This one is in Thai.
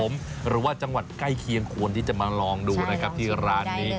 หรือว่าจังหวัดใกล้เคียงควรที่จะมาลองดูนะครับที่ร้านนี้